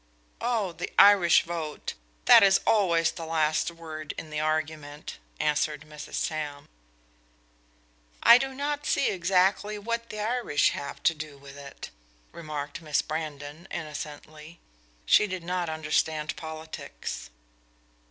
"Oh, the Irish vote! That is always the last word in the argument," answered Mrs. Sam. "I do not see exactly what the Irish have to do with it," remarked Miss Brandon, innocently. She did not understand politics.